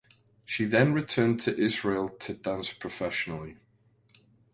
She then returned to Israel to dance professionally.